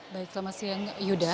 baik selamat siang yuda